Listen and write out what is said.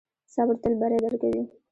صبر تل بری درکوي.